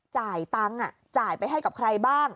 จ่ายตังค์จ่ายไปให้กับใครบ้าง